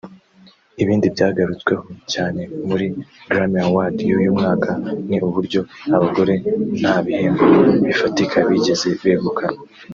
Ibindi byagarutsweho cyane muri Grammy Awards y’uyu mwaka ni uburyo abagore nta bihembo bifatika bigeze begukana